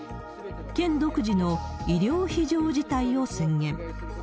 県独自の医療非常事態を宣言。